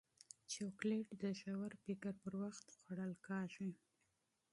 چاکلېټ د ژور فکر پر وخت خوړل کېږي.